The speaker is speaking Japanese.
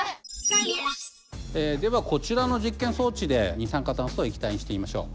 ではこちらの実験装置で二酸化炭素を液体にしてみましょう。